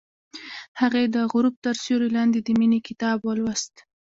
هغې د غروب تر سیوري لاندې د مینې کتاب ولوست.